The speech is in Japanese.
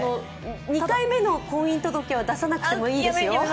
２回目の婚姻届は出さなくていいですよ。